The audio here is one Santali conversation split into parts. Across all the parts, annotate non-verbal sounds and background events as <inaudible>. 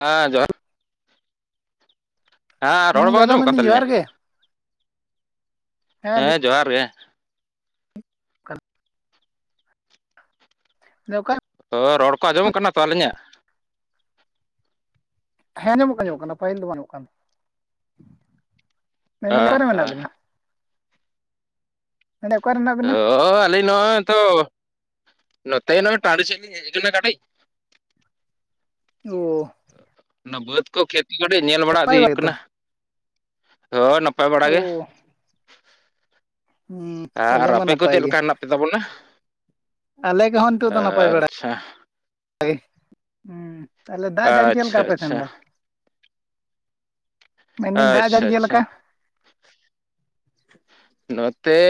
<unintelligible> ᱡᱚᱦᱟᱨ ᱦᱮᱸ ᱨᱚᱲ ᱦᱩᱸ ᱵᱟᱝ ᱫᱟᱫᱟ ᱟᱡᱚᱢᱚᱜ ᱠᱟᱱ ᱢᱮᱱᱫᱟᱹᱧ ᱛᱟᱹᱤᱧᱟ? ᱡᱚᱦᱟᱨ ᱜᱮ ᱦᱮᱸ ᱡᱚᱦᱟᱨ ᱜᱮ <unintelligible> <unintelligible> ᱛᱚ ᱨᱚᱲ ᱠᱚ ᱟᱸᱡᱚᱢᱚᱜ ᱠᱟᱱᱟ ᱛᱚ ᱟᱹᱞᱤᱧᱟᱜ? ᱦᱮᱸ ᱟᱡᱚᱢᱚᱜ ᱠᱟᱱ ᱟᱡᱚᱢᱚᱜ ᱠᱟᱱᱟ ᱯᱟᱭᱤᱞ ᱫᱚ ᱵᱟᱝ ᱟᱡᱚᱢᱚᱜ ᱠᱟᱱ ᱢᱮᱱᱫᱟᱞ ᱦᱮᱸ ᱚᱠᱟᱨᱮ ᱢᱮᱱᱟᱜ ᱦᱮᱸ ᱵᱮᱤᱱᱟ <inaudible> ᱚᱠᱟ ᱨᱮ ᱢᱮᱱᱟᱜ ᱵᱤᱱᱟ ᱚᱻ ᱚᱻ ᱟᱹᱞᱤᱧ ᱱᱚᱜᱼᱚᱭ ᱛᱚ ᱱᱚᱛᱮ ᱱᱟᱜ ᱴᱟᱺᱰᱤ ᱥᱮᱫ ᱞᱤᱧ ᱦᱮᱡ ᱚᱠᱟᱱᱟ ᱠᱟᱹᱴᱤᱡ᱾ <unintelligible> ᱚᱱᱟ ᱵᱟᱹᱫᱽ ᱠᱚ ᱠᱷᱮᱛ ᱠᱟᱹᱴᱤᱡ ᱧᱮᱞ ᱵᱟᱲᱟ <unintelligible> ᱱᱟᱯᱟᱭ ᱦᱩᱭᱩᱜ ᱜᱮᱛᱚ ᱠᱟᱱᱟ <unintelligible> <unintelligible> ᱵᱟᱲᱟ ᱚ ᱜᱮ ᱦᱩᱸ ᱛᱟᱦᱞᱮ ᱟᱨ ᱢᱟ ᱟᱯᱮ ᱠᱚ ᱱᱟᱯᱟᱭ ᱪᱮᱫ ᱞᱮᱠᱟ ᱜᱮᱭᱟ ᱦᱮᱱᱟᱜ ᱯᱮ ᱛᱟᱵᱚᱱᱟ ᱟᱞᱮ ᱠᱚᱦᱚᱸ ᱱᱤᱛᱚᱜ ᱫᱚ ᱱᱟᱯᱟᱭ ᱵᱟᱲᱟᱭ ᱟᱪᱪᱷᱟ ᱜᱮ᱾ <unintelligible> ᱛᱟᱞᱮ ᱫᱟᱜ ᱡᱟᱹᱲᱤ ᱪᱮᱫ ᱞᱮᱠᱟ ᱟᱪᱪᱷᱟ ᱟᱯᱮ ᱥᱮᱱ ᱟᱪᱪᱷᱟ ᱫᱚ? ᱢᱮᱱᱫᱮᱧ ᱫᱟᱜ ᱟᱪᱪᱷᱟ ᱡᱟᱹᱲᱤ ᱪᱮᱫ ᱟᱪᱪᱷᱟ ᱞᱮᱠᱟ? ᱱᱚᱛᱮ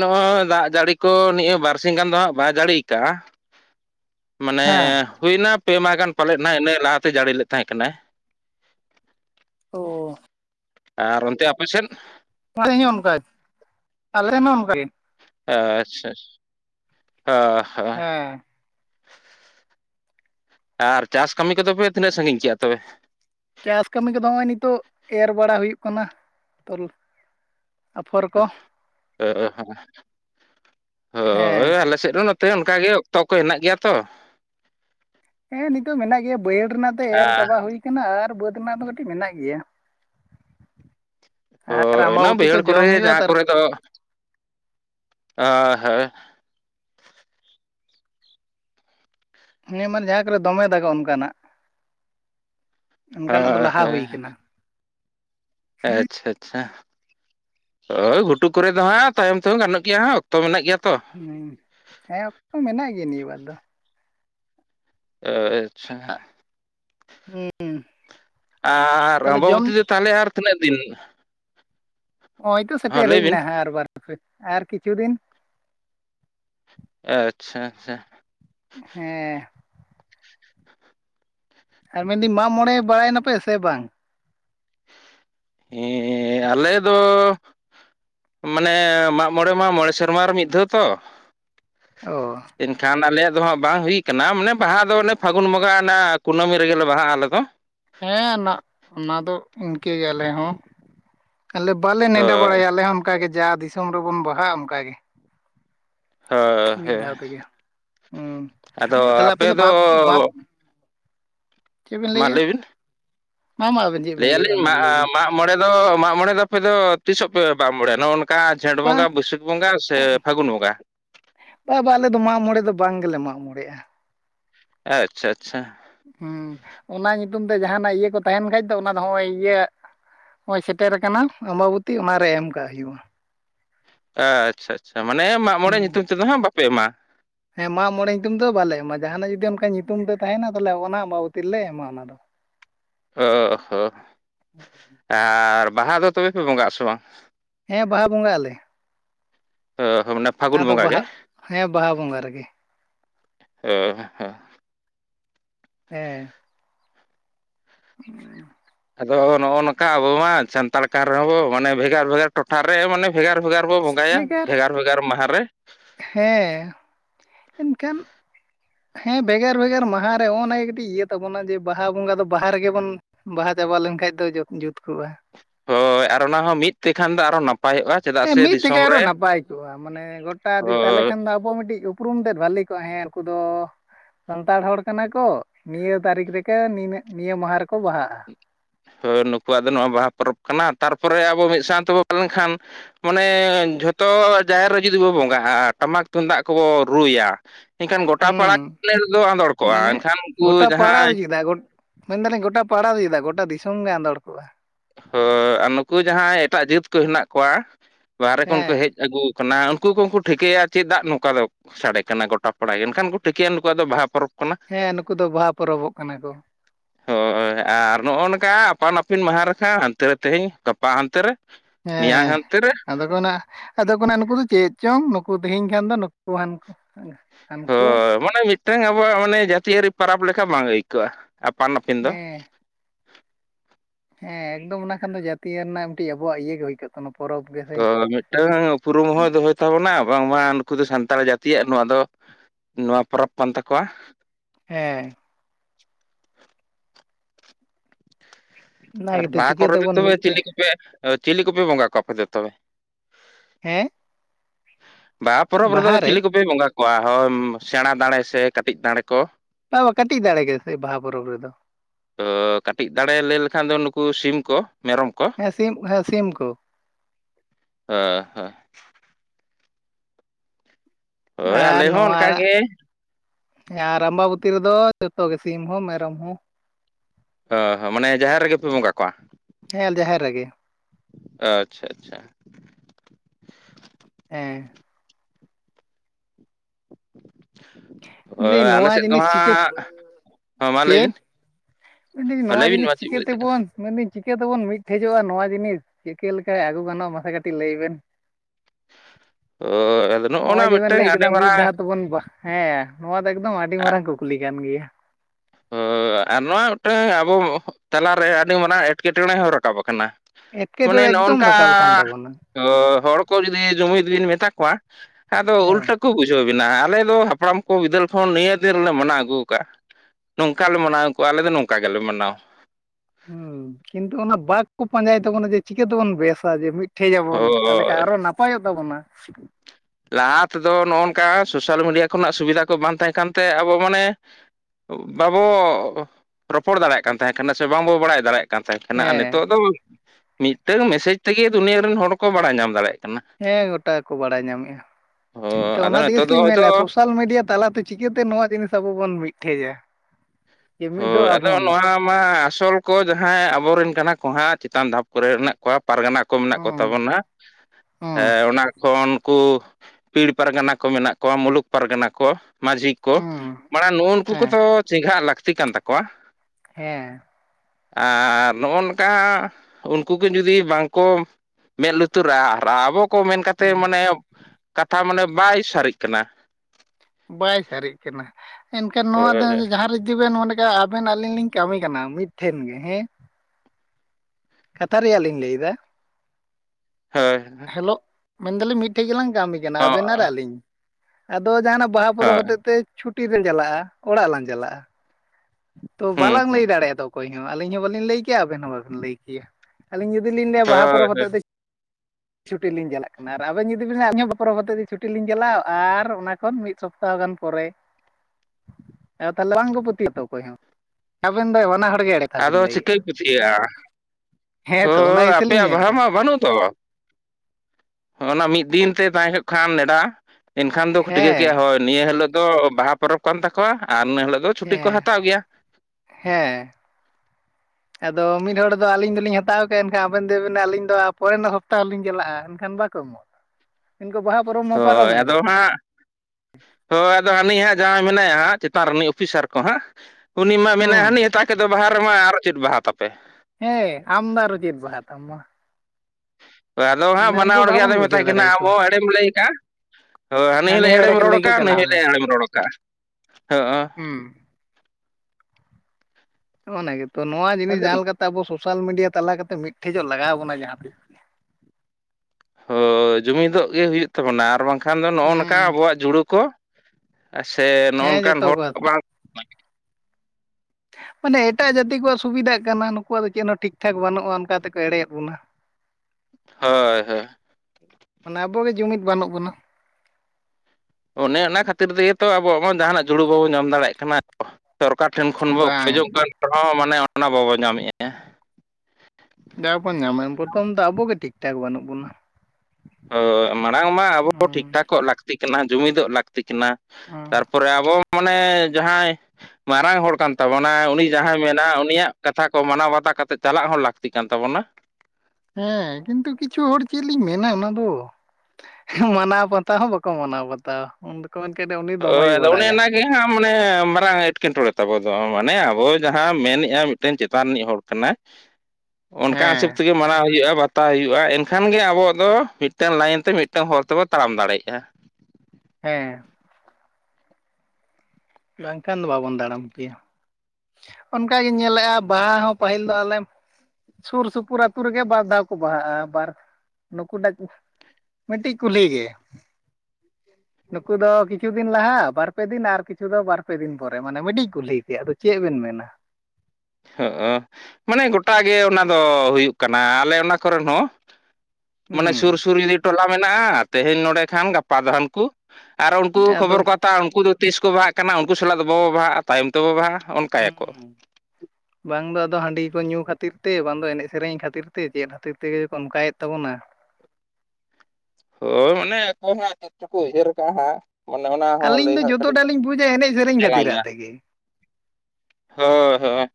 ᱱᱚᱜᱼᱚᱭ ᱫᱟᱜ ᱡᱟᱹᱲᱤ ᱠᱚ ᱱᱤᱭᱟᱹ ᱵᱟᱨᱥᱤᱧ ᱜᱟᱱ ᱫᱚ ᱦᱟᱸᱜ ᱵᱟᱭ ᱡᱟᱹᱲᱤ ᱭᱟᱠᱟᱜᱼᱟ ᱾ ᱢᱟᱱᱮ ᱦᱮᱸ ᱦᱩᱭᱱᱟ ᱯᱮ ᱢᱟᱦᱟ ᱜᱟᱱ ᱯᱟᱞᱮᱫ ᱱᱟᱜ ᱤᱱᱟᱹ ᱞᱟᱦᱟᱛᱮᱭ ᱡᱟᱹᱲᱤ ᱞᱮᱫ ᱛᱟᱦᱮᱸᱠᱟᱱᱟᱭ ᱾ ᱚᱻ ᱟᱨ ᱚᱱᱛᱮ ᱟᱯ ᱥᱮᱫ? <unintelligible> ᱚᱱᱠᱟ ᱟᱞᱮ ᱢᱟ ᱚᱱᱠᱟᱜᱮ᱾ ᱟᱪᱪᱷᱟ <unintelligible> ᱦᱮᱸ ᱟᱨ ᱪᱟᱥ ᱠᱟᱹᱢᱤ ᱠᱚᱫᱚ ᱯᱮ ᱛᱤᱱᱟᱹᱜ ᱥᱟᱺᱜᱤᱧ ᱠᱮᱜᱼᱟ ᱛᱚᱵᱮ? ᱪᱟᱥ ᱠᱟᱹᱢᱤ ᱠᱚᱫᱚ ᱱᱚᱜᱼᱚᱭ ᱱᱤᱛᱳ ᱮᱨ ᱵᱟᱲᱟ ᱦᱩᱭᱩᱜ ᱠᱟᱱᱟ ᱛᱚᱞ- ᱟᱯᱷᱚᱨ ᱠᱚ ᱦᱮᱸ ᱦᱚᱭ ᱟᱞᱮ ᱥᱮᱫ ᱦᱚᱸ ᱱᱚ- ᱥᱮ ᱚᱱᱠᱟ ᱜᱮ ᱚᱠᱛᱚ ᱠᱚ ᱦᱮᱱᱟᱜ ᱜᱮᱭᱟ ᱛᱚ᱾ ᱦᱮᱸ ᱱᱤᱛᱳ ᱢᱮᱱᱟᱜ ᱜᱮᱭᱟ ᱵᱟᱹᱭᱦᱟᱹᱲ ᱨᱮᱱᱟᱜ ᱫᱚ ᱮᱨ ᱪᱟᱵᱟ ᱦᱩᱭ ᱟᱠᱟᱱᱟ ᱟᱨ ᱵᱟᱹᱫᱽ ᱨᱮᱱᱟᱜ ᱫᱚ ᱠᱟᱹᱴᱤᱡ ᱢᱮᱱᱟᱜ ᱜᱮᱭᱟ ᱟᱨ ᱦᱳᱭ ᱚᱱᱟ ᱟᱢᱵᱟᱵᱚᱛᱤ ᱵᱟᱹᱭᱦᱟᱹᱲ ᱠᱚ ᱡᱚᱢ ᱠᱚᱨᱮ ᱦᱩᱭᱩᱜᱼᱟ ᱡᱟᱦᱟᱸ ᱛᱟᱨ ᱠᱚᱨᱮ ᱫᱚ <unintelligible> ᱦᱮᱸ ᱢᱟᱱᱮ ᱡᱟᱦᱟᱸ ᱠᱚᱨᱮ ᱫᱚᱢᱮ ᱫᱟᱜᱚᱜᱟ ᱚᱱᱠᱟᱱᱟᱜ ᱚᱱᱠᱟᱱᱟᱜ ᱫᱚ ᱞᱟᱦᱟ ᱦᱳᱭ ᱦᱩᱭ ᱠᱟᱱᱟ ᱟᱪᱪᱷᱟ ᱟᱪᱪᱷᱟ ᱳᱭ ᱜᱷᱩᱴᱩ ᱠᱚᱨᱮ ᱫᱚ ᱦᱟᱸᱜ ᱛᱟᱭᱚᱢ ᱛᱮᱦᱚᱸ ᱜᱟᱱᱚᱜ ᱜᱮᱭᱟ ᱦᱟᱸᱜ ᱚᱠᱛᱚ ᱢᱮᱱᱟᱜ ᱜᱮᱭᱟ ᱛᱚ ᱦᱮᱸ ᱚᱠᱛᱚ ᱢᱮᱱᱟᱜ ᱜᱮ ᱱᱤᱭᱟᱹ ᱵᱟᱨ ᱫᱚ <unintelligible> ᱟᱪᱪᱷᱟ <unintelligible> ᱟᱨ ᱛᱟᱦᱚᱞᱮ ᱡᱚᱢ ᱚᱢᱵᱚᱵᱚᱛᱤ ᱫᱚ ᱛᱟᱦᱚᱞᱮ ᱟᱨ ᱛᱤᱱᱟᱹᱜ ᱫᱤᱱ ᱱᱚᱜ ᱚᱭ ᱛᱚ ᱦᱚᱸ ᱥᱮᱴᱮᱨ ᱞᱟᱹᱭ ᱦᱮᱡ ᱵᱤᱱ ᱱᱟ ᱟᱨ ᱵᱟᱨᱯᱮ ᱟᱨ ᱠᱤᱪᱷᱩ ᱫᱤᱱ ᱟᱪᱪᱷᱟ ᱟᱪᱪᱷᱟ ᱦᱮᱸ ᱟᱨ ᱢᱮᱱᱫᱟᱹᱧ ᱢᱟᱜᱽ ᱢᱚᱬᱮ ᱵᱟᱲᱟᱭᱱᱟᱯᱮ ᱥᱮ ᱵᱟᱝ ᱦᱮᱸ ᱟᱞᱮ ᱫᱚ ᱢᱟᱱᱮ ᱢᱟᱜ ᱢᱚᱬᱮ ᱢᱟ ᱢᱚᱬᱮ ᱥᱮᱨᱢᱟ ᱨᱮ ᱢᱤᱫ ᱫᱷᱟᱣ ᱛᱚ ᱚ ᱮᱱᱠᱷᱟᱱ ᱟᱞᱮᱭᱟᱜ ᱫᱚ ᱦᱟᱸᱜ ᱵᱟᱝ ᱦᱩᱭ ᱠᱟᱱᱟ ᱢᱟᱱᱮ ᱵᱟᱦᱟ ᱫᱚ ᱚᱱᱮ ᱯᱷᱟᱹᱜᱩᱱ ᱵᱚᱸᱜᱟ ᱚᱱᱟ ᱠᱩᱱᱟᱹᱢᱤ ᱨᱮᱜᱮᱞᱮ ᱵᱟᱦᱟᱜᱼᱟ ᱟᱞᱮ ᱫᱚ ᱦᱮᱸ ᱱᱟᱜ ᱚᱱᱟ ᱫᱚ ᱤᱱᱠᱟᱹᱜᱮ ᱟᱞᱮ ᱦᱚᱸ ᱟᱞᱮ ᱵᱟᱞᱮ ᱱᱮᱸᱰᱟ ᱦᱳᱭ ᱵᱟᱲᱟᱭᱟ ᱟᱞᱮ ᱦᱚᱸ ᱚᱱᱠᱟᱜᱮ ᱡᱟ ᱫᱤᱥᱚᱢ ᱨᱮᱵᱚᱱ ᱵᱟᱦᱟᱜᱼᱟ ᱚᱱᱠᱟᱜᱮ ᱦᱚᱭ ᱦᱮᱸ ᱦᱮᱸ ᱛᱟᱞᱦᱮ ᱟᱯᱮ ᱫᱚ ᱵᱟᱯ ᱵᱟᱯ ᱪᱮᱫ ᱵᱮᱱ ᱢᱟ ᱞᱟᱹᱭᱮᱜᱼᱟ ᱞᱟᱹᱭ ᱵᱤᱱ ᱢᱟ ᱢᱟ ᱟᱹᱵᱤᱱ ᱞᱟᱹᱭᱟᱞᱤᱧ ᱢᱟ ᱢᱟᱜᱽ ᱢᱚᱬᱮ ᱫᱚ ᱢᱟᱜᱽ ᱢᱚᱬᱮ ᱫᱚ ᱟᱯᱮ ᱫᱚ ᱛᱤᱥᱚᱜ ᱯᱮ ᱢᱟᱜᱽ ᱢᱚᱬᱮ ᱱᱚᱜᱼᱚ ᱱᱚᱝᱠᱟ ᱡᱷᱮᱸᱴ ᱵᱟᱝ ᱵᱚᱸᱜᱟ ᱵᱟᱹᱭᱥᱟᱹᱠᱷ ᱵᱚᱸᱜᱟ ᱥᱮ ᱯᱷᱟᱹᱜᱩᱱ ᱵᱚᱸᱜᱟ ᱵᱟ ᱵᱟ ᱟᱞᱮ ᱫᱚ ᱢᱟᱜᱽ ᱢᱚᱬᱮ ᱫᱚ ᱵᱟᱝ ᱜᱮᱞᱮ ᱢᱟᱜᱽ ᱢᱚᱬᱮᱜᱼᱟ ᱟᱪᱪᱷᱟ ᱟᱪᱪᱷᱟ ᱦᱩᱸ ᱚᱱᱟ ᱧᱩᱛᱩᱢ ᱛᱮ ᱡᱟᱦᱟᱱᱟᱜ ᱤᱭᱟᱹ ᱠᱚ ᱛᱟᱦᱮᱱ ᱠᱷᱟᱡ ᱫᱚ ᱚᱱᱟ ᱫᱚ ᱱᱚᱼᱚᱭ ᱤᱭᱟᱹ ᱚᱭ ᱥᱮᱴᱮᱨ ᱠᱟᱱᱟ ᱟᱢᱵᱚᱵᱚᱛᱤ ᱚᱱᱟᱨᱮ ᱮᱢ ᱠᱟᱜ ᱦᱩᱭᱩᱜᱼᱟ ᱟᱪᱪᱷᱟ ᱟᱪᱪᱷᱟ, ᱢᱟᱱᱮ ᱢᱟᱜᱽ ᱢᱚᱬᱮ ᱦᱩᱸ ᱧᱤᱛᱩᱢ ᱛᱮᱫᱚ ᱦᱟᱸᱜ ᱵᱟᱯᱮ ᱮᱢᱟᱜᱼᱟ ᱦᱮᱸ ᱢᱟᱜ ᱢᱚᱬᱮ ᱧᱩᱛᱩᱢ ᱛᱮ ᱫᱚ ᱵᱟᱞᱮ ᱮᱢᱟ ᱡᱟᱦᱟᱱᱟᱜ ᱡᱩᱫᱤ ᱚᱱᱠᱟ ᱧᱩᱛᱩᱢ ᱛᱮ ᱛᱟᱦᱮᱱᱟ ᱛᱟᱦᱚᱞᱮ ᱚᱱᱟ ᱟᱢᱵᱚᱵᱚᱛᱤ ᱨᱮᱞᱮ ᱮᱢᱟ ᱚᱱᱟ ᱫᱚ ᱦᱚ ᱦᱚ ᱟᱨ ᱵᱟᱦᱟ ᱫᱚ ᱛᱚᱵᱮ ᱯᱮ ᱵᱚᱸᱜᱟᱼᱟ ᱥᱮ ᱵᱟᱝ ᱦᱮᱸ ᱵᱟᱦᱟ ᱵᱚᱸᱜᱟᱞᱮ ᱚᱻ ᱢᱟᱱᱮ ᱯᱷᱟᱹᱜᱩᱱ ᱟᱫᱚ ᱵᱚᱸᱜᱟ ᱵᱟᱦᱟ ᱜᱮ ᱦᱮᱸ ᱵᱟᱦᱟ ᱵᱚᱸᱜᱟ ᱨᱮᱜᱮ ᱚ <unintelligible> ᱦᱮᱸ <inaudible> ᱟᱫᱚ ᱱᱚᱜᱼᱚ ᱱᱚᱝᱠᱟ ᱟᱵᱚ ᱢᱟ ᱥᱟᱱᱛᱟᱲ ᱠᱟᱱ ᱨᱮᱦᱚᱸᱵᱚ ᱢᱟᱱᱮ ᱵᱷᱮᱜᱟᱨ ᱵᱷᱮᱜᱟᱨ ᱴᱚᱴᱷᱟ ᱨᱮ ᱢᱟᱱᱮ ᱵᱷᱮᱜᱟᱨ ᱵᱷᱮᱜᱟᱨ ᱵᱚ ᱵᱚᱸᱜᱟᱭᱟ ᱵᱷᱮᱜᱟᱨ ᱵᱷᱮᱜᱟᱨ ᱢᱟᱦᱟ ᱨᱮ ᱦᱮᱸ ᱮᱱᱠᱷᱟᱱ ᱦᱮᱸ ᱵᱷᱮᱜᱟᱨ ᱵᱷᱮᱜᱟᱨ ᱢᱟᱦᱟ ᱨᱮ ᱱᱚᱼᱚ ᱱᱟᱜᱮ ᱠᱟᱹᱴᱤᱡ ᱤᱭᱟᱹ ᱛᱟᱵᱚᱱᱟ ᱡᱮ ᱵᱟᱦᱟ ᱵᱚᱸᱜᱟ ᱫᱚ ᱵᱟᱦᱟ ᱨᱮᱜᱮ ᱵᱚᱱ ᱵᱟᱦᱟ ᱪᱟᱵᱟ ᱞᱮᱱᱠᱟᱱ ᱫᱚ ᱡᱩᱛ ᱠᱚᱜᱼᱟ ᱦᱳᱭ ᱟᱨ ᱚᱱᱟ ᱦᱚᱸ ᱢᱤᱫ ᱛᱮᱠᱷᱟᱱ ᱫᱚ ᱟᱨᱚ ᱱᱟᱯᱟᱭᱚᱜᱼᱟ ᱪᱮᱫᱟᱜ ᱦᱮᱸ ᱥᱮ ᱢᱤᱫ ᱛᱮᱜᱮ ᱫᱤᱥᱚᱢ ᱟᱨᱚ ᱨᱮ ᱱᱟᱯᱟᱭ ᱠᱚᱜᱼᱟ ᱢᱟᱱᱮ ᱜᱚᱴᱟ ᱫᱤ ᱛᱟᱦᱚᱞᱮ ᱦᱳᱭ ᱠᱷᱟᱱ ᱫᱚ ᱟᱵᱚ ᱢᱤᱫᱴᱤᱡ ᱩᱯᱨᱩᱢ ᱛᱮᱫ ᱵᱷᱟᱞᱤ ᱠᱚᱜᱼᱟ ᱦᱮᱸ ᱩᱱᱠᱩ ᱫᱚ ᱥᱟᱱᱛᱟᱲ ᱦᱚᱲ ᱠᱟᱱᱟ ᱠᱚ ᱱᱤᱭᱟᱹ ᱛᱟᱹᱨᱤᱠᱷ ᱨᱮᱜᱮ ᱱᱤᱱᱟᱹᱜ ᱱᱤᱭᱟᱹ ᱢᱟᱦᱟ ᱨᱮᱠᱚ ᱵᱟᱦᱟᱜᱼᱟ ᱦᱳᱭ ᱱᱩᱠᱩᱣᱟᱜ ᱫᱚ ᱱᱚᱣᱟ ᱵᱟᱦᱟ ᱯᱚᱨᱚᱵᱽ ᱠᱟᱱᱟ ᱛᱟᱨᱯᱚᱨᱮ ᱟᱵᱚ ᱢᱤᱫ ᱥᱟᱶ ᱛᱮᱵᱚᱱ <unintelligible> ᱞᱮᱱᱠᱷᱟᱱ ᱢᱟᱱᱮ ᱡᱷᱚᱛᱚ ᱡᱟᱦᱮᱨ ᱨᱮ ᱡᱩᱫᱤ ᱵᱚ ᱵᱚᱸᱜᱟᱼᱟ ᱴᱟᱢᱟᱠ ᱛᱩᱢᱫᱟᱜ ᱠᱚᱵᱚ ᱨᱩᱭᱟ ᱮᱱᱠᱷᱟᱱ ᱜᱚᱴᱟ ᱦᱩᱸ ᱯᱟᱲᱟᱹ ᱨᱮᱫᱚ ᱟᱸᱫᱳᱲ ᱠᱚᱜᱼᱟ ᱢᱟᱱᱮ ᱮᱱᱠᱷᱟᱱ ᱩᱱᱠᱩ ᱡᱟᱦᱟᱸᱭ ᱢᱮᱱᱫᱟᱞᱟᱹᱧ ᱜᱚᱴᱟ ᱯᱟᱲᱟ ᱫᱚ ᱪᱮᱫᱟᱜ ᱜᱚᱴᱟ ᱫᱤᱥᱚᱢ ᱜᱮ ᱟᱸᱫᱳᱲ ᱠᱚᱜᱼᱟ ᱦᱳᱭ ᱟᱨ ᱱᱩᱠᱩ ᱡᱟᱦᱟᱸᱭ ᱮᱴᱟᱜ ᱡᱟᱹᱛ ᱠᱚ ᱦᱮᱱᱟᱜ ᱠᱚᱣᱟ ᱵᱟᱦᱨᱮ ᱠᱷᱚᱱ ᱠᱚ ᱦᱮᱸ ᱦᱮᱡ ᱟᱹᱜᱩ ᱟᱱᱟ ᱩᱱᱠᱩ ᱠᱚᱠᱚ ᱴᱷᱤᱠᱟᱹᱭᱟ ᱪᱮᱫ ᱫᱟᱜ ᱱᱚᱝᱠᱟ ᱫᱚ ᱥᱟᱰᱮ ᱠᱟᱱᱟ ᱜᱚᱴᱟ ᱯᱟᱲᱟᱜᱮ ᱮᱱᱠᱷᱟᱱ ᱠᱚ ᱴᱷᱤᱠᱟᱹᱭᱟ ᱱᱩᱠᱩᱣᱟᱜ ᱫᱚ ᱵᱟᱦᱟ ᱯᱚᱨᱚᱵᱽ ᱠᱟᱱᱟ ᱦᱮᱸ ᱱᱩᱠᱩ ᱫᱚ ᱵᱟᱦᱟ ᱯᱚᱨᱚᱵᱚᱜ ᱠᱟᱱᱟ ᱠᱚ ᱦᱳᱭ ᱟᱨ ᱱᱚᱜᱼᱚ ᱱᱚᱝᱠᱟ ᱟᱯᱟᱱ ᱟᱹᱯᱤᱱ ᱢᱟᱦᱟ ᱨᱮᱠᱷᱟᱱ ᱦᱟᱱᱛᱮ ᱱᱚᱛᱮᱟᱧ ᱜᱟᱯᱟ ᱦᱟᱱᱛᱮ ᱨᱮ ᱢᱮᱭᱟᱝ ᱦᱮᱸ ᱦᱟᱱᱛᱮ ᱨᱮ ᱟᱫᱚ ᱠᱚ ᱚᱱᱟ ᱟᱫᱚ ᱠᱟᱱᱟᱜ ᱱᱩᱠᱩ ᱫᱚ ᱪᱮᱫ ᱪᱚᱝ ᱱᱩᱠᱩ ᱛᱮᱦᱮᱧ ᱠᱷᱟᱱ ᱫᱚ ᱱᱩᱠᱩ ᱦᱟᱹᱱᱠᱩ ᱦᱳᱭ ᱢᱟᱱᱮ ᱢᱤᱫᱴᱟᱝ ᱟᱵᱚᱣᱟᱜ ᱢᱟᱱᱮ ᱡᱟᱹᱛᱤᱭᱟᱹᱨᱤ ᱯᱚᱨᱚᱵᱽ ᱞᱮᱠᱟ ᱵᱟᱝ ᱟᱹᱭᱠᱟᱹᱜᱼᱟ ᱟᱯᱟᱱ ᱟᱹᱯᱤᱱ ᱫᱚ ᱦᱮᱸ ᱦᱮᱸ ᱮᱠᱫᱚᱢ ᱚᱱᱟ ᱠᱷᱟᱱ ᱫᱚ ᱡᱟᱹᱛᱤᱭᱟ ᱨᱮᱱᱟᱜ ᱢᱤᱫᱴᱮᱡ ᱟᱵᱚᱣᱟᱜ ᱤᱭᱟᱹ ᱜᱮ ᱦᱩᱭ ᱠᱚᱜ ᱠᱳᱱᱚ ᱯᱚᱨᱚᱵᱽ ᱜᱮ ᱦᱳᱭ ᱢᱤᱫᱴᱟᱝ ᱩᱯᱩᱨᱩᱢᱩ ᱦᱚᱸᱚᱭ ᱫᱚᱦᱚᱭ ᱛᱟᱵᱚᱱᱟ ᱵᱟᱝᱢᱟ ᱱᱩᱠᱩ ᱫᱚ ᱥᱟᱱᱛᱟᱲ ᱡᱟᱹᱛᱤᱭᱟᱜ ᱱᱚᱣᱟ ᱫᱚ ᱱᱚᱣᱟ ᱯᱚᱨᱚᱵᱽ ᱠᱟᱱ ᱛᱟᱠᱚᱣᱟ ᱦᱮᱸ ᱚᱱᱟ ᱟᱨ ᱜᱮᱛᱚ ᱵᱟᱦᱟ ᱪᱤᱠᱟᱹ ᱠᱚᱨᱮ ᱫᱚ ᱛᱮᱵᱚᱱ ᱛᱚᱵᱮ ᱢᱤᱫᱴᱷᱮᱡ ᱪᱤᱞᱤ ᱠᱚᱯᱮ ᱪᱤᱞᱤ ᱠᱚᱯᱮ ᱵᱚᱸᱜᱟ ᱠᱚᱣᱟ ᱟᱯᱮ ᱛᱚᱵᱮ ᱦᱮᱸ ᱵᱟᱦᱟ ᱯᱚᱨᱚᱵᱽ ᱨᱮᱫᱚ ᱵᱟᱦᱟ ᱨᱮ ᱪᱤᱞᱤ ᱠᱚᱯᱮ ᱵᱚᱸᱜᱟ ᱠᱚᱣᱟ ᱦᱳᱭ ᱥᱮᱬᱟ ᱫᱟᱲᱮ ᱥᱮ ᱠᱟᱹᱴᱤᱡ ᱫᱟᱸᱲᱮ ᱠᱚ ᱾ ᱵᱟᱵᱟ ᱠᱟᱹᱴᱤᱡ ᱫᱟᱲᱮ ᱜᱮ ᱵᱟᱦᱟ ᱯᱚᱨᱚᱵᱽ ᱨᱮᱫᱚ ᱛᱚ ᱠᱟᱹᱴᱤᱡ ᱫᱟᱲᱮ ᱞᱟᱹᱭ ᱞᱮᱠᱷᱟᱱ ᱫᱚ ᱱᱩᱠᱩ ᱥᱤᱢ ᱠᱚ ᱢᱮᱨᱚᱢ ᱠᱚ ᱦᱮᱸ ᱥᱤᱢ ᱦᱮᱸ ᱥᱤᱢ ᱠᱚ ᱦᱮᱸ ᱦᱮᱸ ᱦᱳᱭ ᱟᱨ ᱟᱞᱮ ᱦᱚᱸ ᱱᱚᱣᱟ ᱚᱱᱠᱟᱜᱮ ᱟᱨ ᱟᱢᱵᱟᱵᱛᱤ ᱨᱮᱫᱚ ᱡᱚᱛᱚ ᱜᱮ ᱥᱤᱢ ᱦᱚᱸ ᱢᱮᱨᱚᱢ ᱦᱚᱸ ᱚ ᱦᱚᱸ ᱢᱟᱱᱮ ᱡᱟᱦᱮᱨ ᱨᱮᱜᱮᱯᱮ ᱵᱚᱸᱜᱟ ᱠᱚᱣᱟ ᱦᱮᱸ ᱡᱟᱦᱮᱨ ᱨᱮᱜᱮ ᱟᱪᱪᱷᱟ ᱟᱪᱪᱷᱟ ᱦᱮᱸ ᱞᱟᱹᱭ ᱫᱟᱹᱧ ᱦᱳᱭ ᱟᱞᱮ ᱱᱚᱣᱟ ᱥᱮᱫ ᱫᱚ ᱡᱤᱱᱤᱥ ᱪᱤᱠᱟᱹ ᱦᱟᱸᱜ ᱦᱚᱸ ᱢᱟ ᱪᱮᱫ ᱞᱟᱹᱭᱵᱤᱱ ᱢᱮᱱᱫᱟ. ᱧ ᱱᱚᱣᱟ ᱞᱟᱹᱭᱵᱤᱱ ᱢᱟ ᱡᱤᱱᱤᱥ ᱪᱮᱫ ᱵᱤᱱ ᱪᱤᱠᱟᱹ ᱞᱟᱹᱭᱮᱫ ᱛᱟᱦᱮᱸ ᱠᱟᱱᱟ? ᱛᱮᱵᱚᱱ ᱢᱮᱱᱫᱟᱹᱧ ᱪᱤᱠᱟᱹ ᱛᱮᱵᱚᱱ ᱢᱤᱫ ᱴᱷᱮᱡᱚᱜᱼᱟ ᱱᱚᱣᱟ ᱡᱤᱱᱤᱥ ᱪᱤᱠᱟᱹ ᱞᱮᱠᱟᱭ ᱟᱹᱜᱩ ᱜᱟᱱᱚᱜᱼᱟ ᱢᱟᱥᱮ ᱠᱟᱹᱴᱤᱡ ᱞᱟᱹᱭ ᱵᱮᱱ ᱚ <unintelligible> ᱱᱚᱜᱚᱭ ᱡᱮᱵᱮᱱ ᱞᱟᱹᱭ ᱠᱮᱫᱟ ᱢᱤᱫ ᱫᱷᱟᱣ ᱛᱮᱵᱚᱱ <unintelligible> ᱦᱮᱸ ᱱᱚᱣᱟ ᱫᱚ ᱮᱠᱫᱚᱢ ᱟᱹᱰᱤ ᱢᱟᱨᱟᱝ ᱠᱩᱠᱞᱤ ᱠᱟᱱ ᱜᱮᱭᱟ <unintelligible> ᱚ ᱟᱨ ᱱᱚᱣᱟ ᱢᱤᱫᱴᱟᱝ ᱟᱵᱚ ᱛᱟᱞᱟᱨᱮ ᱟᱹᱰᱤ ᱢᱟᱨᱟᱝ ᱮᱴᱠᱮᱴᱚᱬᱮ ᱦᱚᱸ ᱨᱟᱠᱟᱵ ᱟᱠᱟᱱᱟ ᱾ ᱢᱟᱱᱮ ᱮᱴᱠᱮᱴᱚᱬᱮ ᱱᱚᱜᱼ ᱮᱠᱫᱚᱢ ᱱᱚᱝᱠᱟ ᱨᱟᱠᱟᱵ ᱟᱠᱟᱱ ᱛᱟᱵᱚᱱᱟ ᱦᱚᱲ ᱠᱚ ᱡᱩᱫᱤ ᱡᱩᱢᱤᱫ ᱵᱤᱱ ᱢᱮᱛᱟ ᱠᱚᱣᱟ ᱟᱫᱚ ᱦᱮᱸ ᱩᱞᱴᱟᱹ ᱠᱚ ᱵᱩᱡᱷᱟᱹᱣ ᱵᱤᱱᱟ ᱟᱞᱮ ᱫᱚ ᱦᱟᱯᱲᱟᱢ ᱠᱚ ᱵᱤᱫᱟᱹᱞ ᱠᱷᱚᱱ ᱱᱤᱭᱟᱹ ᱫᱤᱱᱞᱮ ᱢᱟᱱᱟᱣ ᱟᱹᱜᱩ ᱠᱟᱜᱼᱟ ᱾ ᱱᱚᱝᱠᱟ ᱞᱮ ᱢᱟᱱᱟᱣ ᱠᱚᱣᱟ ᱟᱞᱮ ᱫᱚ ᱱᱚᱝᱠᱟ ᱜᱮᱞᱮ ᱢᱟᱱᱟᱣᱟ ᱾ ᱦᱩᱸ ᱠᱤᱱᱛᱩ ᱚᱱᱟ ᱵᱟᱜᱽ ᱠᱚ ᱯᱟᱸᱡᱟᱭ ᱛᱟᱵᱚᱱᱟ ᱡᱮ ᱪᱤᱠᱟᱹ ᱛᱮᱵᱚᱱ ᱵᱮᱥᱟ ᱡᱮ ᱴᱷᱤᱠ ᱟᱵᱚᱱ ᱛᱟᱦᱚᱞᱮ ᱠᱷᱟᱱ ᱦᱳᱭ ᱟᱨᱦᱚᱸ ᱱᱟᱯᱟᱭᱚᱜ ᱛᱟᱵᱚᱱᱟ ᱾ ᱞᱟᱦᱟ ᱛᱮᱫᱚ ᱱᱚᱜᱼᱝᱠᱟ ᱥᱳᱥᱟᱞ ᱢᱤᱰᱤᱭᱟ ᱠᱚᱨᱮᱱᱟᱜ ᱥᱩᱵᱤᱫᱷᱟ ᱠᱚ ᱵᱟᱝ ᱛᱟᱦᱮᱸ ᱠᱟᱱᱛᱮ ᱟᱵᱚ ᱢᱟᱱᱮ ᱵᱟᱵᱚ ᱨᱚᱯᱚᱲ ᱫᱟᱲᱮᱭᱟᱜ ᱠᱟᱱ ᱛᱟᱦᱮᱸ ᱠᱟᱱᱟ ᱥᱮ ᱵᱟᱝᱵᱚ ᱵᱟᱲᱟᱭ ᱫᱟᱲᱮᱭᱟᱜ ᱠᱟᱱᱟ ᱾ ᱠᱟᱱ ᱛᱟᱦᱮᱸ ᱠᱟᱱᱟ ᱟᱨ ᱱᱤᱛᱚᱜ ᱦᱮᱸ ᱫᱚ ᱢᱤᱫᱴᱟᱝ ᱢᱮᱥᱮᱡᱽ ᱛᱮᱜᱮ ᱫᱩᱱᱭᱟᱹ ᱨᱮᱱ ᱦᱚᱲ ᱠᱚ ᱵᱟᱲᱟᱭ ᱧᱟᱢ ᱫᱟᱲᱮᱭᱟᱜ ᱠᱟᱱᱟ ᱾ ᱦᱮᱸ ᱜᱚᱴᱟ ᱠᱚ ᱵᱟᱲᱟᱭ ᱧᱟᱢᱮᱫᱼᱟ ᱛᱚ ᱦᱳᱭ ᱟᱫᱚ ᱚᱱᱟ ᱛᱮᱜᱮ ᱱᱤᱛᱚᱜ ᱫᱚ ᱥᱮᱞᱤᱧ ᱦᱚᱭᱛᱳ ᱢᱮᱱᱟ ᱥᱳᱥᱟᱞ ᱢᱤᱰᱤᱭᱟ ᱛᱟᱞᱟᱛᱮ ᱪᱤᱠᱟᱹᱛᱮ ᱱᱚᱣᱟ ᱡᱤᱱᱤᱥ ᱟᱵᱚ ᱵᱚᱱ ᱢᱤᱫᱴᱷᱮᱡᱟ ᱡᱮ ᱦᱳᱭ ᱢᱤᱫᱚᱜ ᱟᱫᱚ ᱟᱵᱚᱱ ᱱᱚᱣᱟ ᱢᱟ ᱟᱥᱚᱞ ᱠᱚ ᱡᱟᱦᱟᱸᱭ ᱟᱵᱚᱨᱮᱱ ᱠᱟᱱᱟ ᱠᱚ ᱦᱟᱸᱜ ᱪᱮᱛᱟᱱ ᱫᱷᱟᱯ ᱠᱚᱨᱮ ᱢᱮᱱᱟᱜᱱᱟᱜ ᱠᱚᱣᱟ ᱯᱟᱨᱜᱟᱱᱟ ᱠᱚ ᱠᱚ ᱢᱮᱱᱟᱜ ᱠᱚᱛᱟ ᱦᱩᱸ ᱵᱚᱱᱟ ᱦ ᱦᱩᱸ ᱚᱱᱟ ᱠᱷᱚᱱ ᱠᱩ ᱯᱤᱲ ᱯᱟᱨᱜᱟᱱᱟ ᱠᱚ ᱢᱮᱱᱟᱜ ᱠᱚᱣᱟ ᱢᱩᱞᱩᱠ ᱯᱟᱨᱜᱟᱱᱟ ᱠᱚ ᱢᱟᱟᱹᱡᱷᱤ ᱠᱚ ᱦᱩᱸ ᱢᱟᱲᱟᱝ ᱱᱩᱱ ᱱᱩᱠᱩ ᱦᱮᱸ ᱠᱚᱛᱚ ᱪᱮᱸᱜᱷᱟᱜ ᱞᱟᱹᱠᱛᱤ ᱠᱟᱱ ᱛᱟᱠᱚᱣᱟ ᱦᱮᱸ ᱟᱨ ᱱᱚᱜᱼᱚ ᱱᱚᱝᱠᱟ ᱩᱱᱠᱩ ᱠᱚ ᱡᱩᱫᱤ ᱵᱟᱝᱠᱚ ᱢᱮᱸᱫ ᱞᱩᱛᱩᱨᱟᱜ ᱟᱨ ᱟᱵᱚ ᱠᱚ ᱢᱮᱱ ᱠᱟᱛᱮᱫ ᱦᱮᱸ ᱢᱟᱱᱮ ᱠᱟᱛᱷᱟ ᱢᱟᱱᱮ ᱵᱟᱭ ᱥᱟᱹᱨᱤᱜ ᱠᱟᱱᱟ ᱵᱟᱭ ᱥᱟᱹᱨᱤᱜ ᱠᱟᱱᱟ ᱮᱱᱠᱷᱟᱱ ᱱᱚᱣᱟ ᱫᱚ ᱦᱳᱭ ᱡᱟᱦᱟᱸ ᱨᱮ ᱤᱫᱤ ᱵᱮᱱ ᱢᱟᱱᱮ ᱟᱵᱮᱱ ᱟᱹᱞᱤᱧ ᱞᱤᱧ ᱠᱟᱹᱢᱤ ᱠᱟᱱᱟ ᱢᱤᱫ ᱴᱷᱮᱱ ᱜᱮ ᱦᱮᱸ ᱠᱟᱛᱷᱟ ᱨᱮᱭᱟᱜ ᱞᱤᱧ ᱞᱟᱹᱭ ᱮᱫᱟ ᱦᱳᱭ ᱞᱚᱜ ᱢᱮᱱᱫᱟᱞᱤᱧ ᱢᱤᱫᱴᱷᱮᱱ ᱜᱮᱞᱟᱝ ᱠᱟᱹᱢᱤ ᱠᱟᱱᱟ ᱟᱵᱮᱱ ᱟᱨ ᱟᱹᱞᱤᱧ ᱟᱫᱚ ᱡᱟᱦᱟᱱᱟᱜ ᱵᱟᱦᱟ ᱯᱚᱨᱚᱵᱽ ᱦᱳᱭ ᱦᱚᱛᱮᱡ ᱛᱮ ᱪᱷᱩᱴᱤ ᱞᱟᱝ ᱪᱟᱞᱟᱜᱼᱟ ᱚᱲᱟᱜ ᱞᱟᱝ ᱪᱟᱞᱟᱜᱼᱟ ᱛᱚ ᱦᱩᱸ ᱵᱟᱞᱟᱝ ᱦᱩᱸ ᱞᱟᱹᱭ ᱫᱟᱲᱮᱭᱟᱜᱼᱟ ᱛᱚ ᱚᱠᱚᱭ ᱦᱚᱸ ᱟᱹᱞᱤᱧ ᱦᱚᱸ ᱵᱟᱹᱞᱤᱧ ᱞᱟᱹᱭ ᱠᱮᱭᱟ ᱟᱵᱮᱱ ᱦᱚᱸ ᱵᱟᱵᱤᱱ ᱞᱟᱹᱭ ᱠᱮᱭᱟ ᱾ ᱟᱹᱞᱤᱧ ᱡᱩᱫᱤᱧ ᱞᱟᱹᱭᱟ ᱵᱟᱦᱟ ᱦᱳᱭ ᱯᱚᱨᱚᱵᱽ ᱦᱮᱛᱮᱡ ᱫᱚ ᱪᱷᱩᱴᱤ ᱞᱤᱧ ᱪᱟᱞᱟᱜ ᱠᱟᱱᱟ ᱟᱨ ᱟᱵᱮᱱ ᱡᱩᱫᱤ ᱵᱮᱱ ᱟᱹᱞᱤᱧ ᱦᱚᱸ ᱵᱟᱦᱟ ᱯᱚᱨᱚᱵᱽ ᱟᱛᱮᱫ ᱪᱷᱩᱴᱤ ᱞᱤᱧ ᱪᱟᱞᱟᱜᱼᱟ ᱟᱨ ᱚᱱᱟ ᱠᱷᱚᱱ ᱢᱤᱫ ᱥᱚᱯᱛᱟᱦ ᱜᱟᱱ ᱯᱚᱨᱮ <unintelligible> ᱛᱟᱦᱚᱞᱮ ᱵᱟᱝ ᱠᱚ ᱯᱟᱹᱛᱭᱟᱹᱛᱚ ᱚᱠᱚᱭ ᱦᱚᱸ ᱟᱵᱮᱱ ᱫᱚ ᱵᱟᱱᱟ ᱦᱚᱲ ᱮᱲᱮ ᱠᱟᱛᱷᱟ ᱵᱮᱱ ᱟᱫᱚ ᱞᱟᱹᱭᱮᱫᱼᱟ ᱪᱤᱠᱟᱹᱭ ᱯᱟᱹᱛᱭᱟᱹᱜᱼᱟ <inaudible> ᱦᱮᱸᱛᱚ ᱚᱱᱟ ᱦᱳᱭ ᱜᱮᱥᱮ ᱞᱤᱧ ᱟᱯᱮᱭᱟᱜ ᱵᱟᱦᱟ ᱢᱮᱱᱮᱫᱼᱟ ᱢᱟ ᱵᱟᱹᱱᱩᱜ ᱛᱚᱣ <unintelligible> ᱚᱱᱟ ᱢᱤᱫ ᱫᱤᱱ ᱛᱮ ᱵᱟᱭ ᱦᱚᱭᱳᱜ ᱠᱷᱟᱱ ᱱᱮᱰᱟ ᱮᱱᱠᱷᱟᱱ ᱫᱚᱠᱚ ᱴᱷᱤᱠᱟᱹ ᱠᱮᱜᱼᱟ ᱦᱮᱸ ᱦᱳᱭ ᱱᱤᱭᱟᱹ ᱦᱤᱞᱳᱜ ᱫᱚ ᱵᱟᱦᱟ ᱯᱚᱨᱚᱵᱽ ᱠᱟᱱ ᱛᱟᱠᱚᱣᱟ ᱟᱨ ᱤᱱᱟᱹ ᱦᱤᱞᱳᱜ ᱫᱚ ᱪᱷᱩᱴᱤ ᱠᱚ ᱦᱮᱸ ᱦᱟᱛᱟᱣ ᱜᱮᱭᱟ ᱦᱮᱸ <inaudible> ᱟᱫᱚ ᱢᱤᱫ ᱦᱚᱲ ᱫᱚ ᱟᱹᱞᱤᱧ ᱫᱚᱞᱤᱧ ᱦᱟᱛᱟᱣ ᱠᱮᱫᱼᱟ ᱮᱱᱠᱷᱟᱱ ᱟᱵᱮᱱ ᱫᱚᱵᱮᱱᱟ ᱟᱹᱞᱤᱧ ᱫᱚ ᱯᱚᱨᱮᱱᱟᱜ ᱥᱚᱯᱛᱟᱦ ᱦᱚᱞᱤᱧ ᱪᱟᱞᱟᱜᱼᱟ ᱮᱱᱠᱷᱟᱱ ᱵᱟᱠᱚ ᱮᱢ <inaudible> ᱤᱱᱠᱩ ᱵᱟᱦᱟ ᱯᱚᱨᱚᱵᱽ ᱦᱳᱭ ᱟᱫᱚ ᱛᱟᱯᱮ ᱦᱟᱸᱜ ᱦᱳᱭ ᱟᱫᱚ ᱦᱟᱹᱱᱤ ᱦᱟᱸᱜ ᱡᱟᱦᱟᱸᱭ ᱢᱮᱱᱟᱭᱟ ᱦᱟᱸᱜ ᱪᱮᱛᱟᱱ ᱨᱤᱱᱤᱡ ᱚᱯᱷᱤᱥᱟᱨ ᱠᱚ ᱦᱟᱸᱜ ᱩᱱᱤ ᱢᱟ ᱢᱮᱱᱟ ᱦᱩᱸ ᱦᱟᱹᱱᱤ ᱦᱟᱛᱟᱣ ᱠᱮᱫ ᱫᱚ ᱵᱟᱦᱟ ᱨᱮᱢᱟ ᱟᱨᱚ ᱪᱮᱫ ᱵᱟᱦᱟ ᱛᱟᱯᱮ ᱦᱮᱸ ᱟᱢ ᱢᱟ ᱟᱨ ᱪᱮᱛ ᱵᱟᱦᱟ ᱛᱟᱢ ᱢᱟ ᱟᱫᱚ ᱦᱟᱸᱜ ᱢᱟᱱᱮ ᱵᱟᱱᱟ ᱩᱱᱠᱩ ᱦᱚᱲ ᱜᱮ ᱵᱟᱵᱚᱱ ᱟᱫᱚᱭ ᱢᱮᱛᱟᱭ ᱵᱩᱡᱷᱟᱹᱣ ᱠᱟᱱᱟ ᱟᱢ ᱫᱟᱲᱮᱭᱟᱠᱚᱣᱟ ᱦᱚᱸ ᱮᱲᱮᱢ ᱞᱟᱹᱭ ᱟᱠᱟᱫᱼᱟ ᱦᱳᱭ ᱦᱟᱹᱱᱤ ᱦᱤᱞᱳᱜ ᱦᱚᱲᱮ ᱮᱲᱮᱢ ᱨᱚᱲ ᱞᱟᱹᱭ ᱠᱮᱫ ᱠᱟᱜᱼᱟ ᱱᱟᱹᱭ ᱦᱤᱞᱳᱜ ᱪᱟᱞᱟᱣᱱᱟ ᱮᱲᱮᱢ ᱨᱚᱲ ᱠᱟᱜᱼᱟ <unintelligible> ᱦᱩᱸ ᱚᱱᱟ ᱜᱮ ᱛᱚ ᱱᱚᱣᱟ ᱡᱤᱱᱤᱥ ᱟᱫᱚ ᱡᱟᱦᱟᱸ ᱞᱮᱠᱟᱛᱮ ᱟᱵᱚ ᱥᱳᱥᱟᱞ ᱢᱤᱰᱤᱭᱟ ᱛᱟᱞᱟ ᱠᱟᱛᱮ ᱢᱤᱫᱴᱷᱮᱡᱚᱜ ᱞᱟᱜᱟᱣ ᱟᱵᱚᱱᱟ ᱡᱟᱦᱟᱸ ᱛᱤᱥ ᱦᱳᱭ ᱡᱩᱢᱤᱫᱚᱜ ᱜᱮ ᱦᱩᱭᱩᱜ ᱛᱟᱵᱚᱱᱟ ᱟᱨ ᱵᱟᱝᱠᱷᱟᱱ ᱫᱚ ᱱᱚᱜᱼᱚ ᱱᱚᱝᱠᱟ ᱦᱩᱸ ᱟᱵᱚᱣᱟᱜ ᱡᱩᱲᱩ ᱠᱚ ᱥᱮ ᱱᱚᱜᱼᱚ ᱦᱮᱸ ᱱᱚᱝᱠᱟᱱ ᱡᱚᱛᱚ ᱦᱚᱲ ᱠᱚ ᱵᱟᱝ ᱢᱟᱱᱮ ᱮᱴᱟᱜ ᱡᱟᱹᱛᱤ ᱠᱚᱣᱟᱜ ᱥᱩᱵᱤᱫᱷᱟᱜ ᱠᱟᱱᱟ ᱱᱩᱠᱩᱣᱟᱜ ᱫᱚ ᱪᱮᱫ ᱦᱚᱸ ᱴᱷᱤᱠ ᱴᱷᱟᱠ ᱵᱟᱹᱱᱩᱜᱼᱟ ᱚᱱᱠᱟ ᱛᱮᱠᱚ ᱮᱲᱮᱭᱮᱫ ᱵᱚᱱᱟ ᱦᱳᱭ ᱦᱳᱭ ᱢᱟᱱᱮ ᱟᱵᱚᱜᱮ ᱡᱩᱢᱤᱫ ᱵᱟᱹᱱᱩᱜ ᱵᱚᱱᱟ ᱚᱱᱮ ᱚᱱᱟ ᱠᱷᱟᱹᱛᱤᱨ ᱛᱮᱜᱮ ᱛᱚ ᱟᱵᱚᱣᱟᱜ ᱢᱟ ᱡᱟᱦᱟᱱᱟᱜ ᱡᱩᱲᱩ ᱵᱟᱵᱚᱱ ᱧᱟᱢ ᱫᱟᱲᱮᱭᱟᱜ ᱠᱟᱱᱟ ᱥᱚᱨᱠᱟᱨ ᱴᱷᱮᱱ ᱠᱷᱚᱱ ᱵᱚ ᱵᱟᱝ ᱠᱷᱚᱡᱚᱜ ᱠᱟᱱ ᱨᱮᱦᱚᱸ ᱢᱟᱱᱮ ᱚᱱᱟ ᱵᱟᱵᱚ ᱧᱟᱢᱮᱫᱼᱟ ᱡᱟ ᱵᱚᱱ ᱧᱟᱢᱟ ᱯᱨᱚᱛᱷᱚᱢ ᱫᱚ ᱟᱵᱚ ᱜᱮ ᱴᱷᱤᱠ ᱴᱷᱟᱠ ᱵᱟᱹᱱᱩᱜ ᱵᱚᱱᱟ ᱦᱳᱭ ᱢᱟᱲᱟᱝ ᱢᱟ ᱟᱵᱚ ᱦᱩᱸ ᱴᱷᱤᱠᱴᱷᱟᱠᱚᱜ ᱞᱟᱹᱠᱛᱤᱜ ᱠᱟᱱᱟ ᱡᱩᱢᱤᱫᱚᱜ ᱞᱟᱹᱠ ᱛᱤᱜ ᱠᱟᱱᱟ ᱦᱩᱸ ᱛᱟᱨᱯᱚᱨᱮ ᱟᱵᱚ ᱢᱟᱱᱮ ᱡᱟᱦᱟᱸᱭ ᱢᱟᱨᱟᱝ ᱦᱚᱲ ᱠᱟᱱ ᱛᱟᱵᱚᱱᱟᱭ ᱩᱱᱤ ᱡᱟᱦᱟᱸ ᱢᱮᱱᱟ ᱩᱱᱤᱭᱟᱜ ᱠᱟᱛᱷᱟ ᱠᱚ ᱢᱟᱱᱟᱣ ᱵᱟᱛᱟᱣ ᱠᱟᱛᱮᱫ ᱪᱟᱞᱟᱜ ᱦᱚᱸ ᱞᱟᱹᱠᱛᱤ ᱠᱟᱱ ᱛᱟᱵᱚᱱᱟ ᱦᱮᱸ ᱠᱤᱱᱛᱩ ᱠᱤᱪᱷᱩ ᱦᱚᱲ ᱪᱮᱫ ᱞᱤᱧ ᱢᱮᱱᱟ ᱚᱱᱟ ᱫᱚ ᱢᱟᱱᱟᱣ ᱵᱟᱛᱟ ᱦᱚᱸ ᱵᱟᱠᱚ ᱢᱟᱱᱟᱣ ᱵᱟᱛᱟ ᱩᱱ ᱫᱚᱠᱚ ᱢᱮᱱ ᱠᱮᱫ ᱩᱱᱤ ᱫᱚᱢᱮ ᱦᱳᱭ ᱵᱟᱲᱟᱭᱟ <unintelligible> ᱢᱟᱱᱮ ᱢᱟᱨᱟᱝ ᱮᱴᱠᱮᱴᱚᱬᱮ ᱛᱟᱵᱚ ᱫᱚ ᱢᱟᱱᱮ ᱟᱵᱚ ᱡᱟᱦᱟᱸ ᱢᱮᱱᱮᱫᱼᱟ ᱢᱤᱫᱴᱮᱱ ᱪᱮᱛᱟᱱ ᱨᱤᱱᱤᱡ ᱦᱚᱲ ᱠᱟᱱᱟᱭ ᱚᱱᱠᱟ ᱦᱤᱥᱟᱹᱵᱽ ᱦᱮᱸ ᱛᱮᱜᱮ ᱢᱟᱱᱟᱣ ᱦᱩᱭᱩᱜᱼᱟ ᱵᱟᱛᱟᱟᱣ ᱦᱩᱭᱩᱜᱼᱟ ᱮᱱᱠᱷᱟᱱ ᱜᱮ ᱟᱵᱚᱣᱟᱜ ᱫᱚ ᱢᱤᱫᱴᱟᱝ ᱞᱟᱭᱤᱱ ᱛᱮ ᱢᱤᱫᱴᱟᱝ ᱦᱚᱨ ᱛᱮᱵᱚ ᱛᱟᱲᱟᱢ ᱫᱟᱲᱮᱭᱟᱜᱼᱟ ᱦᱮᱸ ᱵᱟᱝᱠᱷᱟᱱ ᱫᱚ ᱵᱟᱵᱚᱱ ᱫᱟᱲᱟᱢ ᱠᱮᱭᱟ ᱚᱱᱠᱟ ᱜᱤᱧ ᱧᱮᱞᱮᱫᱼᱟ ᱵᱟᱦᱟ ᱦᱚᱸ ᱯᱟᱹᱦᱤᱞ ᱫᱚ ᱟᱞᱮ ᱥᱩᱨ ᱥᱩᱯᱩᱨ ᱟᱹᱛᱩ ᱨᱮᱜᱮ ᱵᱟᱨ ᱫᱷᱟᱣ ᱠᱚ ᱵᱟᱦᱟᱜᱼᱟ ᱵᱟᱨ ᱱᱩᱠᱩ ᱴᱟᱜ ᱢᱤᱫᱴᱤᱡ ᱠᱩ ᱞᱟᱹᱭ ᱜᱮᱭᱟ᱾ ᱱᱩᱠᱩ ᱫᱚ ᱠᱤᱪᱷᱩ ᱫᱤᱱ ᱞᱟᱦᱟ ᱵᱟᱨ ᱯᱮ ᱫᱤᱱ ᱟᱨᱠᱤ ᱠᱤᱪᱷᱩ ᱫᱚ ᱵᱟᱨ ᱯᱮ ᱫᱤᱱ ᱯᱚᱨᱮ ᱢᱟᱱᱮ ᱢᱤᱰᱤᱡ ᱠᱚ ᱞᱟᱹᱭ ᱛᱮ ᱟᱫᱚ ᱪᱮᱫ ᱵᱮᱱ ᱢᱮᱱᱟ? ᱦᱚᱜ ᱢᱟᱱᱮ ᱜᱚᱴᱟ ᱜᱮ ᱚᱱᱟ ᱫᱚ ᱦᱩᱭᱩᱜ ᱠᱟᱱᱟ ᱟᱞᱮ ᱚᱱᱟ ᱠᱚᱨᱮᱱ ᱦᱚᱸ, ᱢᱟᱱᱮ ᱥᱩᱨ ᱦᱩᱸ ᱥᱩᱨ ᱡᱩᱫᱤ ᱴᱚᱞᱟ ᱢᱮᱱᱟᱜᱼᱟ, ᱛᱮᱦᱮᱧ ᱱᱚᱸᱰᱮ ᱠᱷᱟᱱ ᱜᱟᱯᱟ ᱫᱚ ᱦᱟᱱᱠᱩ᱾ ᱟᱨ ᱩᱱᱠᱩ ᱟᱫᱚ ᱠᱷᱚᱵᱚᱨ ᱠᱚ ᱦᱟᱛᱟᱣᱟ, ᱩᱱᱠᱩ ᱫᱚ ᱛᱤᱥ ᱠᱚ ᱵᱟᱦᱟᱜ ᱠᱟᱱᱟ? ᱩᱱᱠᱩ ᱥᱟᱞᱟᱜ ᱫᱚ ᱵᱟᱵᱚ ᱵᱟᱦᱟᱜ-ᱟ᱾ ᱛᱟᱭᱚᱢ ᱛᱮᱵᱚ ᱵᱟᱦᱟᱜᱼᱟ ᱚᱱᱠᱟᱭᱟᱠᱚ᱾ ᱦᱩᱸ ᱵᱟᱝ ᱫᱚ ᱟᱫᱚ ᱦᱟᱺᱰᱤ ᱠᱚ ᱧᱩ ᱠᱷᱟᱹᱛᱤᱨ ᱛᱮ, ᱵᱟᱝ ᱫᱚ ᱮᱱᱮᱡ ᱥᱮᱨᱮᱧ ᱠᱷᱟᱹᱛᱤᱨ ᱛᱮ, ᱪᱮᱫ ᱠᱷᱟᱹᱛᱤᱨ ᱛᱮᱜᱮ ᱚᱱᱠᱟᱭᱮᱫ ᱛᱟᱵᱚᱱᱟ? ᱦᱳᱭ ᱢᱟᱱᱮ ᱚᱠᱚᱭ ᱦᱟᱸᱜ ᱪᱮᱜ ᱪᱚᱠᱚ ᱩᱭᱦᱟᱹᱨ ᱠᱟᱜ-ᱟ ᱦᱟᱸᱜ᱾ ᱢᱟᱱᱮ ᱚᱱᱟ ᱦᱚᱸ ᱟᱹᱞᱤᱧ ᱞᱟᱹᱭ ᱫᱚ ᱦᱟᱸᱜ ᱠᱟᱹᱴᱤᱡ ᱡᱚᱛᱚᱴᱟ ᱞᱤᱧ ᱵᱩᱡᱟ ᱮᱱᱮᱡ ᱥᱮᱨᱮᱧ ᱡᱟᱞᱟ ᱠᱷᱟᱹᱛᱤᱨᱟᱜ ᱜᱮᱭᱟ᱾ ᱛᱮᱜᱮ ᱦᱳᱭ ᱦᱳᱭ᱾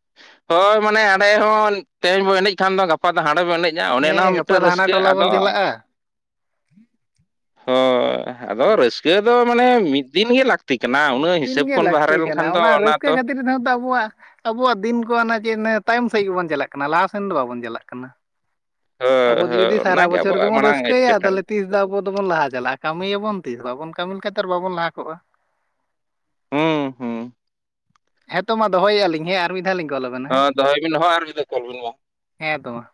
ᱦᱳᱭ ᱢᱟᱱᱮ ᱦᱟᱸᱰᱮ ᱦᱚᱸ ᱛᱮᱦᱮᱧ ᱵᱚ ᱮᱱᱮᱡ ᱠᱷᱟᱱ ᱫᱚ ᱜᱟᱯᱟ ᱫᱚ ᱦᱟᱸᱰᱮ ᱵᱚᱱ ᱮᱱᱮᱡ᱾ <unintelligible> ᱚᱱᱮ ᱚᱱᱟ ᱦᱚᱸ ᱦᱮᱸ ᱜᱟᱯᱟ ᱢᱤᱫᱴᱮᱱ ᱫᱚ ᱦᱟᱱᱟ ᱨᱟᱹᱥᱠᱟᱹ ᱴᱚᱞᱟ ᱟᱫᱚ ᱵᱚᱱ ᱪᱟᱞᱟᱜᱼᱟ <inaudible> ᱦᱳᱭ ᱟᱫᱚ ᱦᱮᱸ ᱨᱟᱹᱥᱠᱟᱹ ᱫᱚ ᱢᱟᱱᱮ ᱢᱤᱜ ᱫᱤᱱ ᱜᱮ ᱞᱟᱹᱠᱛᱤ, ᱠᱟᱱᱟ ᱢᱤᱜ ᱩᱱᱟᱹᱜ ᱫᱤᱱ ᱦᱤᱥᱟᱹᱵ ᱜᱮ ᱠᱷᱚᱱ ᱵᱟᱦᱨᱮ ᱞᱟᱹᱠᱛᱤ ᱠᱟᱱᱟ, ᱞᱮᱱᱠᱷᱟᱱ ᱫᱚ ᱚᱱᱟ ᱨᱟᱹᱥᱠᱟᱹ ᱛᱚ ᱠᱷᱟᱹᱛᱤᱨ ᱛᱮᱦᱚᱸ ᱛᱚ ᱟᱵᱚᱣᱟᱜ ᱟᱵᱚᱣᱟᱜ ᱫᱤᱱ ᱠᱚ ᱦᱟᱱᱟ ᱪᱮᱫ ᱛᱟᱭᱚᱢ ᱥᱮᱫ ᱜᱮᱵᱚᱱ ᱪᱟᱞᱟᱜ ᱠᱟᱱᱟ, ᱞᱟᱦᱟᱥᱮᱱ ᱫᱚ ᱵᱟᱵᱚᱱ ᱪᱟᱞᱟᱜ ᱠᱟᱱᱟ᱾ ᱦᱳᱭ ᱟᱵᱚ ᱫᱚ ᱦᱳᱭ ᱡᱩᱫᱤ ᱥᱟᱨᱟ ᱚᱱᱟᱜᱮ ᱵᱚᱪᱷᱚᱨ ᱟᱵᱚᱣᱟᱜ ᱜᱮᱵᱚᱱ ᱢᱟᱲᱟᱝ ᱨᱟᱹᱥᱟᱹᱭᱟ ᱮᱴᱠᱮᱴᱚᱬᱮ ᱛᱟᱦᱚᱞᱮ ᱛᱤᱥ ᱫᱚ ᱟᱵᱚ ᱫᱚᱵᱚᱱ ᱞᱟᱦᱟ ᱪᱟᱞᱟᱜᱼᱟ᱾ ᱠᱟᱹᱢᱤᱭᱟᱵᱚᱱ ᱛᱤᱥ ᱵᱟᱵᱚᱱ ᱠᱟᱹᱢᱤ ᱞᱮᱠᱷᱟᱡ ᱛᱚ ᱵᱟᱵᱚᱱ ᱞᱟᱦᱟ ᱠᱚᱜᱼᱟ᱾ ᱦᱩᱸ ᱦᱩᱸ᱾ ᱦᱮᱸᱛᱚ ᱢᱟ ᱫᱚᱦᱚᱭᱮᱜ ᱟᱞᱤᱧ ᱦᱮᱸ ᱢᱤᱜᱫᱷᱟᱣ ᱞᱤᱧ ᱠᱚᱞᱟᱵᱮᱱ ᱦᱚᱸ ᱫᱚᱦᱚᱭᱵᱤᱱ ᱦᱚᱸᱜ ᱟᱨ ᱢᱤᱜᱫᱷᱟᱣ ᱠᱚᱞ ᱵᱤᱱ ᱢᱟ᱾ ᱦᱮᱸ ᱛᱚ ᱢᱟ᱾